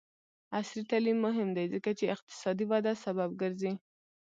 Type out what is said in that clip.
عصري تعلیم مهم دی ځکه چې اقتصادي وده سبب ګرځي.